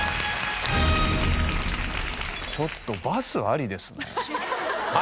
ちょっとバスありですね。あり？